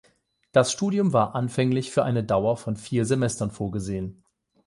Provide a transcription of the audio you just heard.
Das Studium war anfänglich für eine Dauer von vier Semestern vorgesehen.